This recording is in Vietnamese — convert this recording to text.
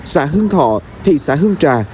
xã hương thọ thị xã hương trà